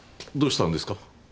どうしたんですか？